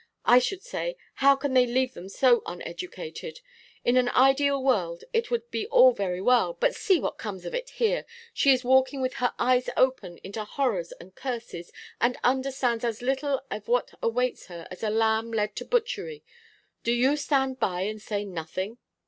I should say, how can they leave them so uneducated? In an ideal world it would be all very well, but see what comes of it here? She is walking with her eyes open into horrors and curses, and understands as little of what awaits her as a lamb led to butchery. Do you stand by and say nothing?